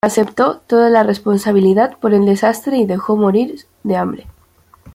Aceptó toda la responsabilidad por el desastre y se dejó morir de hambre.